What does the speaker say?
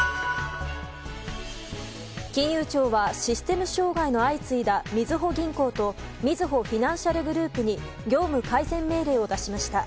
金融庁はシステム障害の相次いだみずほ銀行とみずほフィナンシャルグループに業務改善命令を出しました。